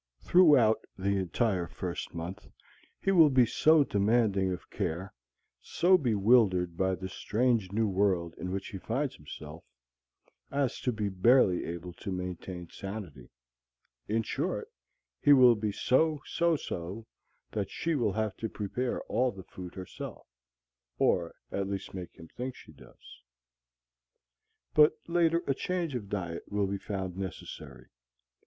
Throughout the entire first month he will be so demanding of care, so bewildered by the strange new world in which he finds himself, as to be barely able to maintain sanity; in short, he will be so soso that she will have to prepare all the food herself, or at least make him think she does. But later a change of diet will be found necessary.